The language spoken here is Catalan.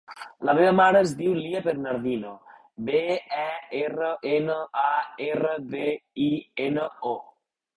La meva mare es diu Lya Bernardino: be, e, erra, ena, a, erra, de, i, ena, o.